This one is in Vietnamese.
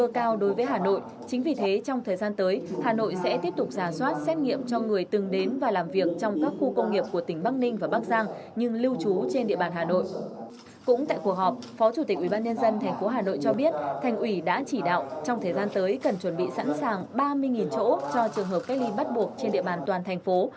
cũng tại cuộc họp phó chủ tịch ubnd tp hà nội cho biết thành ủy đã chỉ đạo trong thời gian tới cần chuẩn bị sẵn sàng ba mươi chỗ cho trường hợp cách ly bắt buộc trên địa bàn toàn thành phố